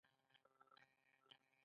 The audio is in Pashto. اورنګزېب د هغه د نیولو حکم وکړ.